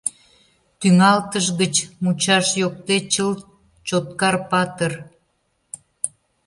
Тӱҥалтыш гыч мучаш йокте чылт «Чоткар Патыр».